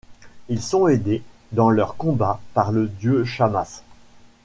Ils sont aidés dans leur combat par le dieu Shamash.